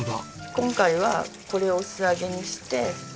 今回はこれを素揚げにして。